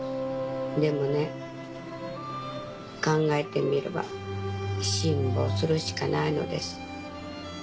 でもね考えてみれば辛抱するしかないのです。